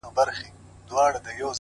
عاجزي د شخصیت ښکلا ده’